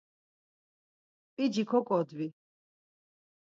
p̌ici koǩodvi!